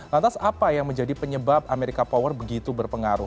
lantas apa yang menjadi penyebab amerika power begitu berpengaruh